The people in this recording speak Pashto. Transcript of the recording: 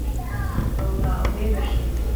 او نا امیده شي